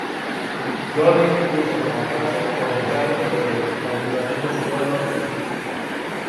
Georgen-Gusen-Mauthausen por encargo de del ayuntamiento de su pueblo, St.